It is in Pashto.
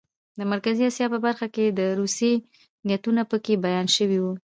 د مرکزي اسیا په برخه کې د روسیې نیتونه پکې بیان شوي وو.